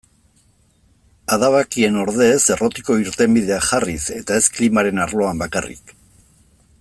Adabakien ordez errotiko irtenbideak jarriz, eta ez klimaren arloan bakarrik.